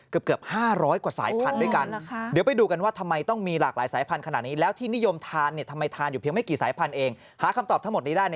เกือบ๕๐๐กว่าสายพันธุ์ด้วยกัน